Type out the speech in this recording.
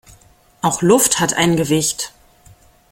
Auch Luft hat ein Gewicht.